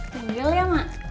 tinggal ya mak